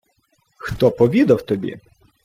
— Хто повідав тобі?